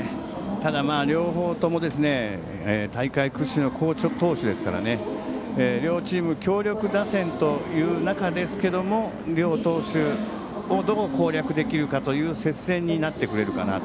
ただ、両方とも大会屈指の好投手ですから両チーム強力打線という中ですが両投手をどう攻略できるかという接戦になってくれるかな。